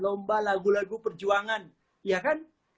lomba lagu lagu perjuangan